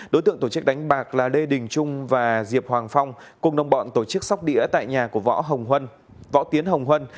đối tượng tổ chức đánh bạc là lê đình trung và diệp hoàng phong cùng đồng bọn tổ chức sóc đĩa tại nhà của võ tiến hồng huân